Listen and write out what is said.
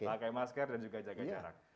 pakai masker dan juga jaga jarak